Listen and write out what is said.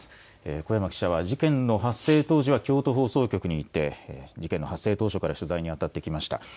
小山記者は事件の発生当時は京都放送局にいて事件の発生当初から取材にあたってきました。